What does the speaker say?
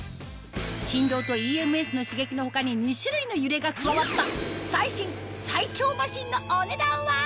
振動とＥＭＳの刺激の他に２種類の揺れが加わった最新最強マシンのお値段は？